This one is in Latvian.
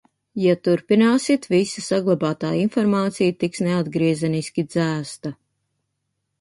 Ja turpināsit, visa saglabātā informācija tiks neatgriezeniski dzēsta.